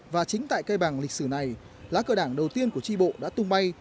và chính tại cây bàng lịch sử này lá cờ đảng đầu tiên của tri bộ đã tung bay